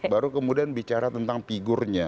baru kemudian bicara tentang figurnya